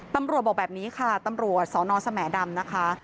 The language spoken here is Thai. ตำรวจบอกแบบนี้ค่ะตำรวจสอนอนสมดำนะคะ